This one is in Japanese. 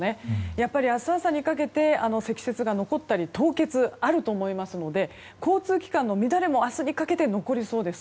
やっぱり明日朝にかけて積雪が残ったり凍結があると思いますので交通機関の乱れも明日にかけて残りそうです。